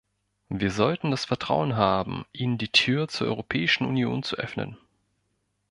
Wir sollten das Vertrauen haben, ihnen die Tür zur Europäischen Union zu öffnen.